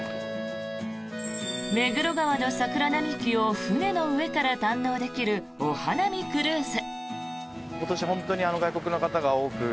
目黒川の桜並木を船の上から堪能できるお花見クルーズ。